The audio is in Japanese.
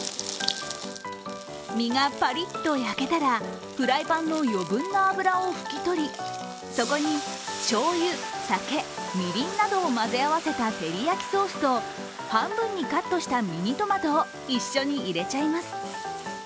身がパリッと焼けたらフライパンの余分な油を拭き取りそこに、しょうゆ、酒、みりんなどを混ぜ合わせた照り焼きソースと半分にカットしたミニトマトを一緒に入れちゃいます。